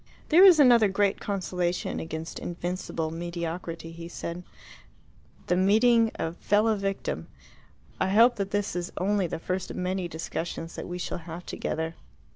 "There is another great consolation against invincible mediocrity," he said "the meeting a fellow victim. I hope that this is only the first of many discussions that we shall have together."